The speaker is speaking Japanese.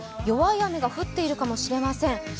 弱い雨が降っているかもしれません。